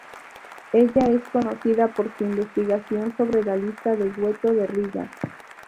Ella es conocida por su investigación sobre la lista de Gueto de Riga.